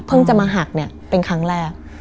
จะมาหักเนี่ยเป็นครั้งแรก